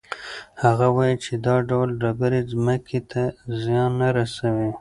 هغه وایي چې دا ډول ډبرې ځمکې ته زیان نه رسوي.